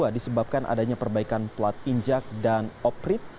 disebabkan adanya perbaikan plat injak dan oprit